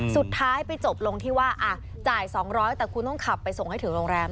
สุดท้ายไปจบลงที่ว่าจ่าย๒๐๐แต่คุณต้องขับไปส่งให้ถึงโรงแรม